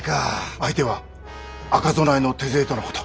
相手は赤備えの手勢とのこと。